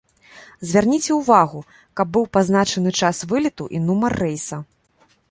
Звярніце ўвагу, каб быў пазначаны час вылету і нумар рэйса.